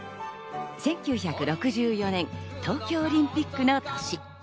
１９６４年、東京オリンピックの年。